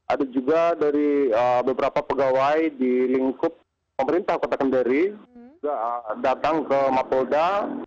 ada juga dari beberapa pegawai di lingkup pemerintah kota kendari datang ke mapolda